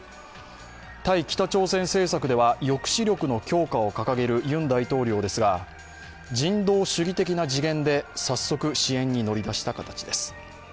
対北朝鮮政策では抑止力の強化を掲げるユン大統領ですが、人道主義的な次元で早速、支援に乗り出した形です。